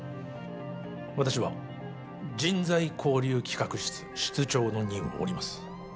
私は人材交流企画室室長の任を降ります